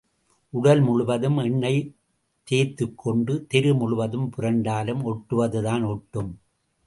உடல் முழுவதும் எண்ணெய் தேய்த்துக் கொண்டு தெரு முழுவதும் புரண்டாலும் ஒட்டுவதுதான் ஒட்டும்.